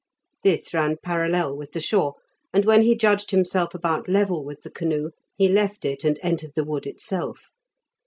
This ran parallel with the shore, and when he judged himself about level with the canoe he left it, and entered the wood itself.